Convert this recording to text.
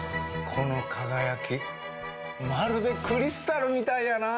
この輝きまるでクリスタルみたいやな。